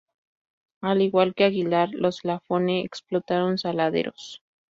Al igual que Aguilar, los Lafone explotaron saladeros.